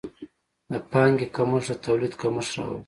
د پانګې کمښت د تولید کمښت راولي.